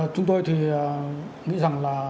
chúng tôi thì nghĩ rằng là